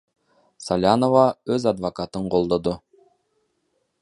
Салянова өз адвокатын колдоду.